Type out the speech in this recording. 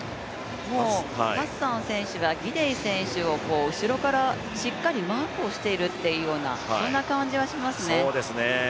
ハッサン選手はギデイ選手を後ろからしっかりマークをしているような感じがしますね。